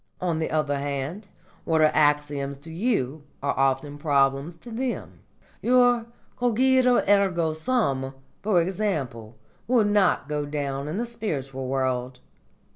On the other hand, what are axioms to you are often problems to them. Your cogito ergo sum, for example, will not go down in the spiritual world.